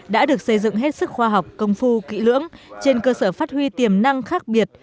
đã được xây dựng hết sức khoa học công phu kỹ lưỡng trên cơ sở phát huy tiềm năng khác biệt